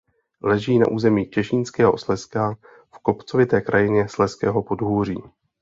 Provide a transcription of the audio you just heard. Leží na území Těšínského Slezska v kopcovité krajině Slezského podhůří.